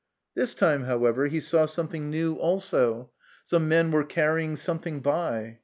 This time, however, he saw something new also some men were carrying something by.